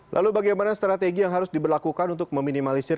lalu bagaimana strategi yang harus diberlakukan untuk meminimalisir